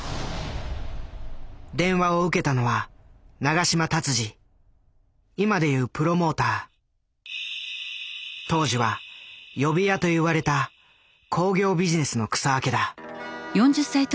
電話を受けたのは当時は「呼び屋」と言われた興行ビジネスの草分けだ。